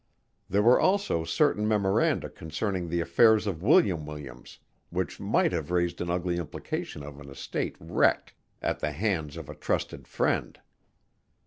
There were also certain memoranda concerning the affairs of William Williams which might have raised an ugly implication of an estate wrecked at the hands of a trusted friend.